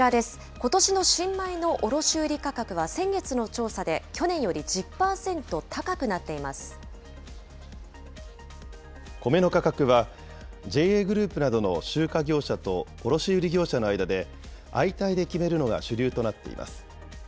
ことしの新米の卸売り価格は、先月の調査で去年より１０％高くなコメの価格は、ＪＡグループなどの集荷業者と卸売り業者の間で相対で決めるのが主流となっています。